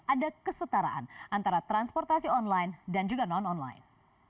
ada kesetaraan antara transportasi online dan juga non online